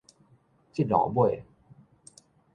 這路尾